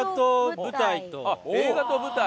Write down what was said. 映画と舞台。